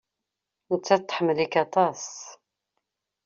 Nettat tḥemmel-ik aṭas.